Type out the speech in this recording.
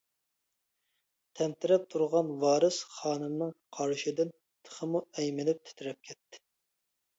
تەمتىرەپ تۇرغان ۋارىس خانىمنىڭ قارىشىدىن تېخىمۇ ئەيمىنىپ تىترەپ كەتتى.